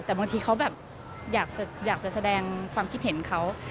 แต่บางทีเขาแบบอยากจะแสดงความคิดเห็นเขา